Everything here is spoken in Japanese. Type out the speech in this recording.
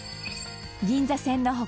銀座線の他